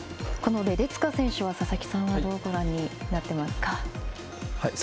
レデツカ選手は、佐々木さんはどうご覧になっていますか？